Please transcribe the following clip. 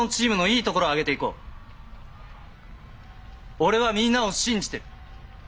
俺はみんなを信じてる。